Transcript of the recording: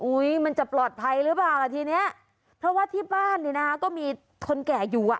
มันจะปลอดภัยหรือเปล่าล่ะทีเนี้ยเพราะว่าที่บ้านเนี่ยนะก็มีคนแก่อยู่อ่ะ